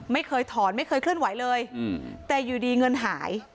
ไม่เคยถอนไม่เคยเคลื่อนไหวเลยแต่อยู่ดีเงินหาย